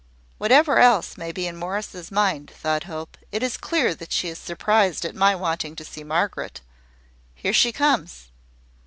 "Whatever else may be in Morris's mind," thought Hope, "it is clear that she is surprised at my wanting to see Margaret. Here she comes."